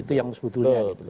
itu yang sebetulnya